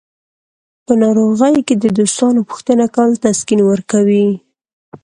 په ناروغۍ کې د دوستانو پوښتنه کول تسکین ورکوي.